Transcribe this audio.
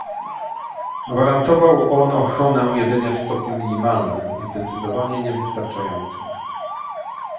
Gwarantował on ochronę jedynie w stopniu minimalnym i zdecydowanie niewystarczającym